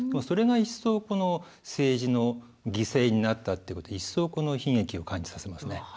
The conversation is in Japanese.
それが一層この政治の犠牲になったってことで一層この悲劇を感じさせますね。